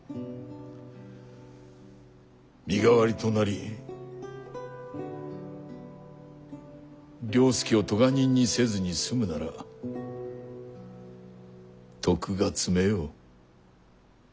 身代わりとなり了助を咎人にせずに済むなら徳が積めよう。